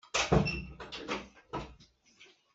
Ka thil ka zuar fuh ngai.